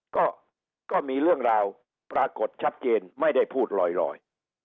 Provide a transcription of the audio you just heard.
ก็มีเรื่องราวปรากฏชัดเจนไม่ได้พูดลอย